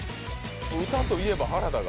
歌といえば原田が。